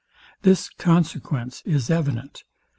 This consequence is evident.